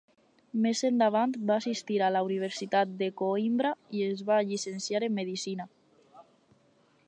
Més endavant va assistir a la Universitat de Coïmbra i es va llicenciar en medicina.